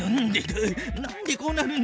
なんでこうなるんだ？